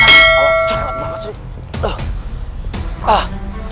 owh cokelat banget sih